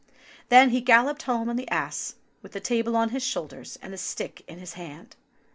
Then he galloped home on the ass, with the table on his shoulders, and the stick in his hand.